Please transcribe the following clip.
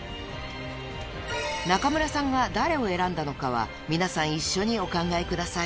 ［中村さんが誰を選んだのかは皆さん一緒にお考えください］